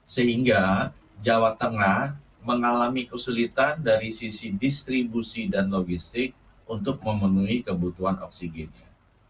sehingga jawa tengah mengalami kesulitan dari sisi distribusi dan logistik untuk memenuhi kebutuhan oksigennya